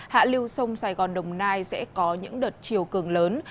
hạ lưu sông sài gòn đồng nai sẽ có những đợt chiều cường lớn